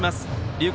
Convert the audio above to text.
龍谷